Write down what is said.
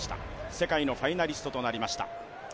世界のファイナリストとなりました。